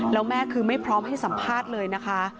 แล้วแม่คือไม่พร้อมให้สัมภาษณ์เลยนะคะ